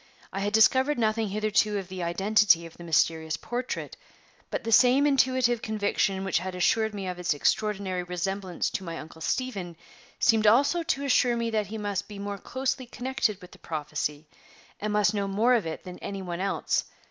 I had discovered nothing hitherto of the identity of the mysterious portrait; but the same intuitive conviction which had assured me of its extraordinary resemblance to my Uncle Stephen seemed also to assure me that he must be more closely connected with the prophecy, and must know more of it than any one else.